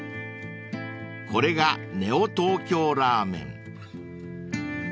［これがネオ東京ラーメン］